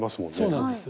そうなんです。